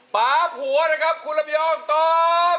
ป๊าบหัวนะครับคุณลำพยอมตอบ